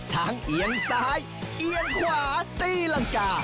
เอียงซ้ายเอียงขวาตีรังกา